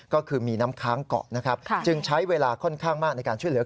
ก็คือมีน้ำค้างเกาะนะครับจึงใช้เวลาค่อนข้างมากในการช่วยเหลือ